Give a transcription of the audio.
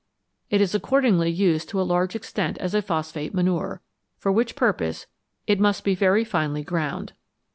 It is accordingly used to a large extent as a phosphate manure, for which purpose it must be very finely ground.